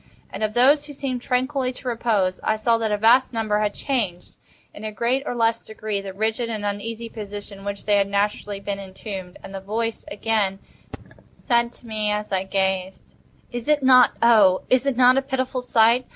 And of those who seemed tranquilly to repose, I saw that a vast number had changed, in a greater or less degree, the rigid and uneasy position in which they had originally been entombed. And the voice again said to me as I gazed: "Is it not—oh! is it not a pitiful sight?"